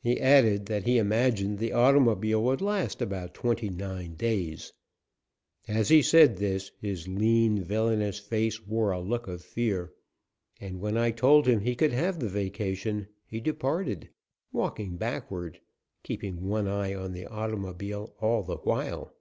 He added that he imagined the automobile would last about twenty nine days. As he said this his lean, villainous face wore a look of fear, and when I told him he could have the vacation, he departed, walking backward, keeping one eye on the automobile all the while.